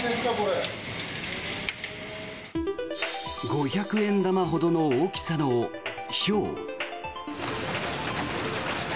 五百円玉ほどの大きさのひょう。